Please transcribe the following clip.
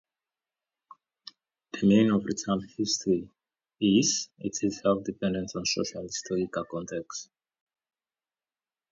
The meaning of the term "history" is itself dependent on social and historical context.